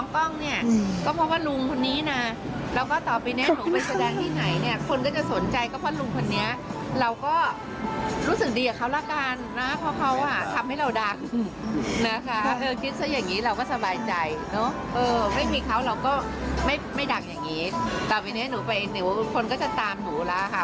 ต่อไปให้หนูไปหนูว่าคนก็จะตามหนูแล้วค่ะ